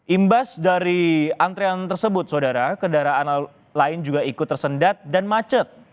imbas dari antrean tersebut saudara kendaraan lain juga ikut tersendat dan macet